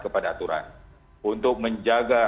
kepada aturan untuk menjaga